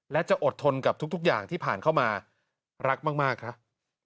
และจะอดทนกับทุกอย่างที่ผ่านเข้ามารักมากครับ